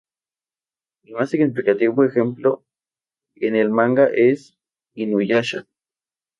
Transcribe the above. El más significativo ejemplo en el manga es InuYasha.